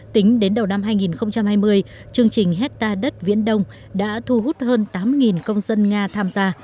tính đến đầu năm hai nghìn hai mươi chương trình hectare đất viễn đông đã thu hút hơn tám công dân nga tham gia